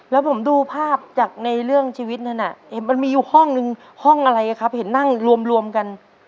แล้วผมดูภาพจากในเรื่องชีวิตนั้นมันมีอยู่ห้องนึงห้องอะไรครับเห็นนั่งรวมกัน